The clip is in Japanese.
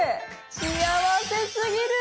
幸せすぎる。